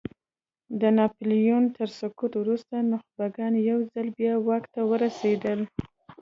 د ناپیلیون تر سقوط وروسته نخبګان یو ځل بیا واک ته ورسېدل.